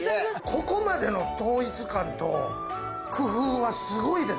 ここまでの統一感と工夫はすごいです。